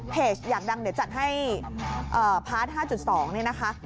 เพจอย่างดังเดี๋ยวจัดให้เอ่อพาร์ท๕๒เนี่ยนะคะ